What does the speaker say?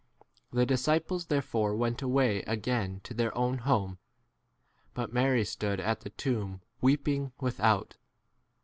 The disciples therefore went away again to their own 11 [home.] But Mary stood at the tomb weeping without.